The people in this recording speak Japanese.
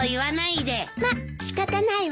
まっ仕方ないわね。